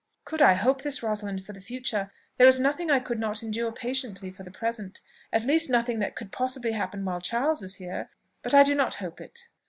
"Could I hope this, Rosalind, for the future, there is nothing I could not endure patiently for the present, at least nothing that could possibly happen while Charles is here; but I do not hope it."